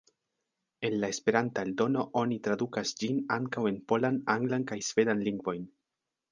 El la Esperanta eldono oni tradukas ĝin ankaŭ en polan, anglan kaj svedan lingvojn.